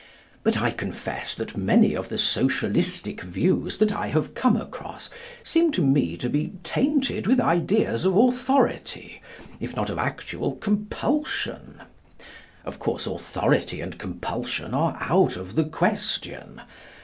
But I confess that many of the socialistic views that I have come across seem to me to be tainted with ideas of authority, if not of actual compulsion. Of course, authority and compulsion are out of the question.